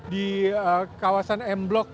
di kawasan m blok